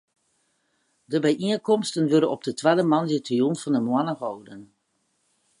De byienkomsten wurde op de twadde moandeitejûn fan de moanne holden.